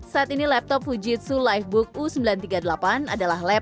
saat ini laptop fujitsu livebook u sembilan ratus tiga puluh delapan adalah lapto